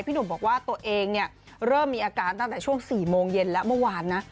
หนุ่มบอกว่าตัวเองเนี่ยเริ่มมีอาการตั้งแต่ช่วง๔โมงเย็นแล้วเมื่อวานนะ